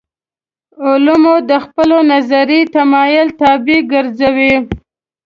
علوم د خپلو نظري تمایل طابع ګرځوو.